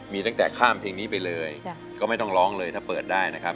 มีตั้งแต่ข้ามเพลงนี้ไปเลยก็ไม่ต้องร้องเลยถ้าเปิดได้นะครับ